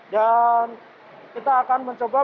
dan kita akan mencoba beberapa